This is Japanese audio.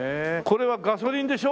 これはガソリンでしょ？